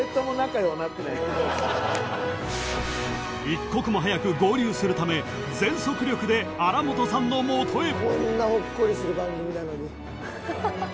［一刻も早く合流するため全速力で新本さんの元へ］